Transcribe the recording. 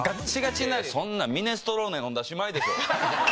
そんなんミネストローネ飲んだらしまいでしょ。